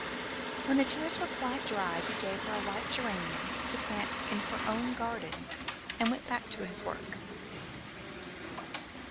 When the tears were quite dried he gave her a white geranium to plant in her own garden, and went back to his work.